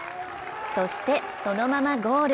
そしてそのままゴール。